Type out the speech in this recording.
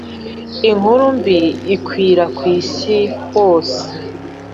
inkuru mbi ikwira kw’isi hose